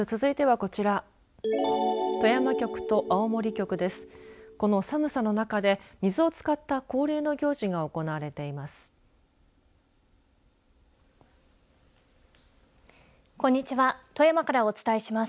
この寒さの中で水を使った恒例の行事が行われています。